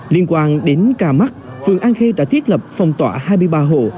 liên quan đến ca mắc phường an khê đã thiết lập phòng tọa hai mươi ba hồ